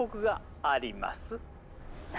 何？